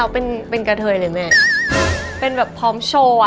เป็นกะเทยเลยค่ะเป็นแบบพร้อมโชว์